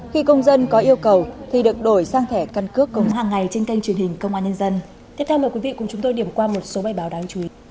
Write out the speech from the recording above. khi công dân có yêu cầu thì được đổi sang thẻ căn cước công dân